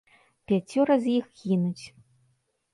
Пяцёра з іх гінуць.